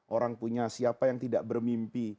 orang punya siapa yang tidak bermimpi